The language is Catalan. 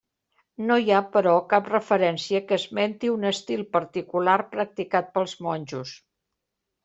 No hi ha, però, cap referència que esmenti un estil particular practicat pels monjos.